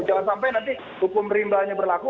jangan sampai nanti hukum rimba hanya berlaku